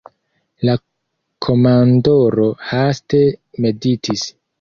La komandoro haste meditis.